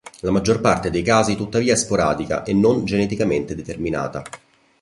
La maggior parte dei casi tuttavia è sporadica e non geneticamente determinata.